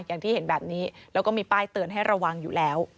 อย่างที่เห็นแบบนี้แล้วก็มีป้ายเตือนให้ระวังอยู่แล้ว